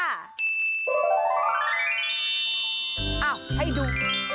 อ้าวให้ดู